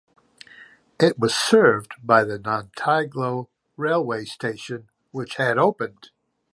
It was served by the Nantyglo railway station which had opened.